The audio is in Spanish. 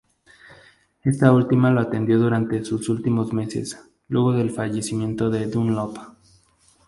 Esta última lo atendió durante sus últimos meses, luego del fallecimiento de Dunlop.